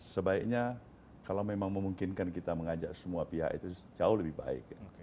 sebaiknya kalau memang memungkinkan kita mengajak semua pihak itu jauh lebih baik